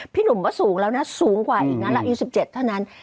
หนุ่มก็สูงแล้วนะสูงกว่าอีกนะเราอายุ๑๗เท่านั้น